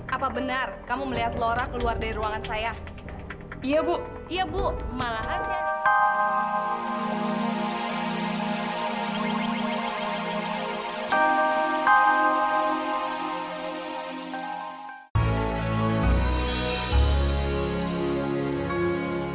sampai jumpa di video selanjutnya